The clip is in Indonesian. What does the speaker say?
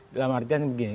dalam artian begini